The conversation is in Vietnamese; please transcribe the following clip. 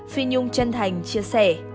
phi nhung chân thành chia sẻ